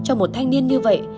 cho một thanh niên như vậy